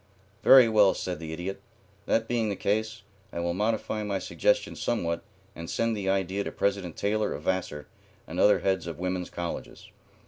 "Very well," said the Idiot. "That being the case, I will modify my suggestion somewhat and send the idea to President Taylor of Vassar and other heads of women's colleges.